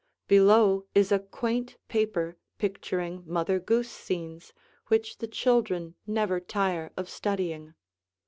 Below is a quaint paper picturing Mother Goose scenes which the children never tire of studying.